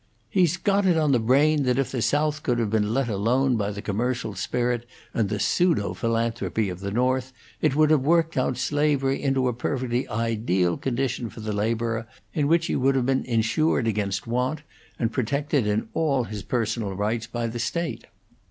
"He's got it on the brain that if the South could have been let alone by the commercial spirit and the pseudophilanthropy of the North, it would have worked out slavery into a perfectly ideal condition for the laborer, in which he would have been insured against want, and protected in all his personal rights by the state.